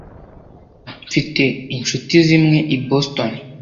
Mfite inshuti zimwe i Boston.